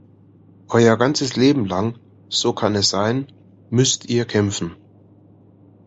Euer ganzes Leben lang, so kann es sein, müsst ihr kämpfen.